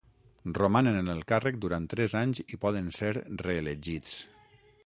Romanen en el càrrec durant tres anys i poden ser reelegits.